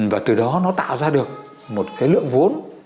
và từ đó nó tạo ra được một cái lượng vốn